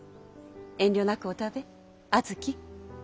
遠慮なくお食べ阿月。